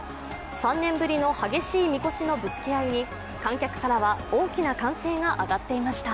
３年ぶりの激しいみこしのぶつけ合いに観客からは大きな歓声が上がっていました。